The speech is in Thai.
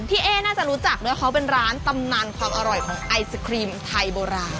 เอ๊น่าจะรู้จักด้วยเขาเป็นร้านตำนานความอร่อยของไอศครีมไทยโบราณ